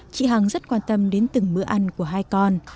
chị hằng rất quan tâm đến từng bữa ăn của hai con